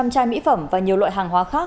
chai mỹ phẩm và nhiều loại hàng hóa khác